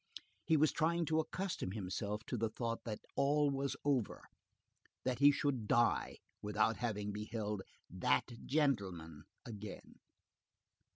He was trying to accustom himself to the thought that all was over, and that he should die without having beheld "that gentleman" again.